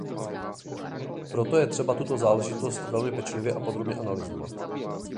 Proto je třeba tuto záležitost velmi pečlivě a podrobně analyzovat.